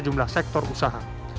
sejumlah sektor usaha